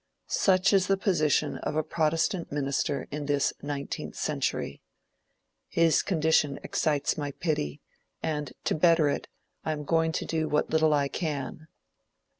Such is the position of a protestant minister in this Nineteenth Century. His condition excites my pity; and to better it, I am going to do what little I can.